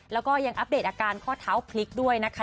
แล้วก็ยังอัปเดตอาการข้อเท้าพลิกด้วยนะคะ